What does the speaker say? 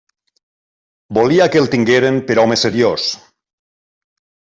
Volia que el tingueren per home seriós.